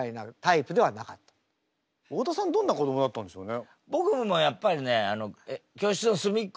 どんな子どもだったんでしょうね？